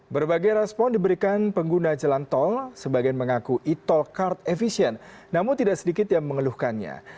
berbagai respon diberikan pengguna jalan tol sebagian mengaku e tol card efisien namun tidak sedikit yang mengeluhkannya